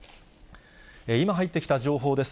今入ってきた情報です。